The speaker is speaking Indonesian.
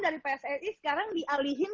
dari pssi sekarang dialihin